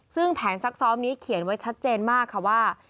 ซึ่งแผนซักซ้อมนี้เขียนไว้ชัดเจนมากค่ะว่า